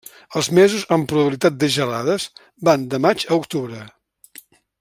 Els mesos amb probabilitat de gelades van de maig a octubre.